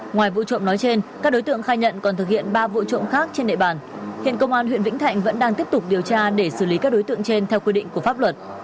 ngoài vụ trộm nói trên các đối tượng khai nhận còn thực hiện ba vụ trộm khác trên địa bàn hiện công an huyện vĩnh thạnh vẫn đang tiếp tục điều tra để xử lý các đối tượng trên theo quy định của pháp luật